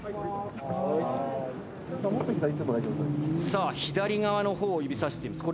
さあ左側の方を指さしています。